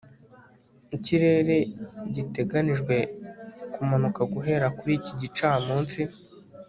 ikirere giteganijwe kumanuka guhera kuri iki gicamunsi